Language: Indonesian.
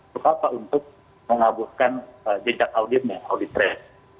bagaimana untuk mengabuhkan jejak auditnya audit res